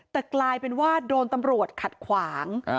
แต่กลายเป็นว่าโดนตำรวจขัดขวาง